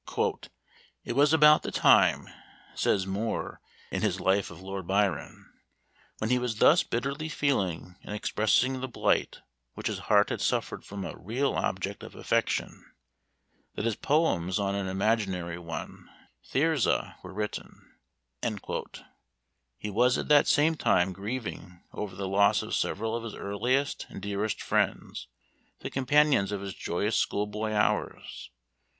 "It was about the time," says Moore in his life of Lord Byron, "when he was thus bitterly feeling and expressing the blight which his heart had suffered from a real object of affection, that his poems on an imaginary one, 'Thyrza,' were written." He was at the same time grieving over the loss of several of his earliest and dearest friends the companions of his joyous school boy hours.